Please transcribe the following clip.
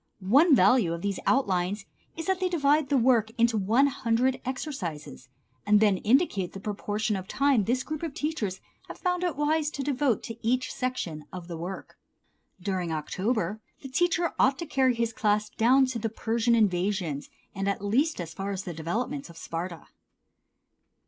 One value of these outlines is that they divide the work into one hundred exercises, and then indicate the proportion of time this group of teachers have found it wise to devote to each section of the work. During October the teacher ought to carry his class down nearly to the Persian invasions, and at least as far as the development of Sparta.